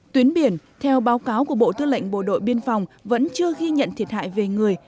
tuyến biển theo báo cáo của bộ tư lệnh bộ đội biên phòng vẫn chưa ghi nhận thiệt hại về người